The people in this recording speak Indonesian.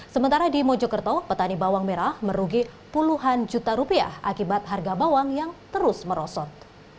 sementara di mojokerto petani bawang merah merugi puluhan juta rupiah akibat harga bawang yang terus merosot